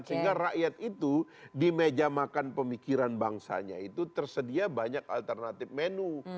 sehingga rakyat itu di meja makan pemikiran bangsanya itu tersedia banyak alternatif menu